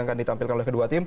akan ditampilkan oleh kedua tim